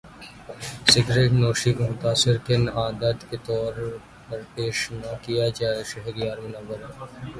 cigarette نوشی کو متاثر کن عادت کے طور پر پیش نہ کیا جائے شہریار منور